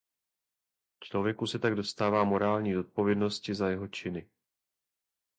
Člověku se tak dostává morální zodpovědnosti za jeho činy.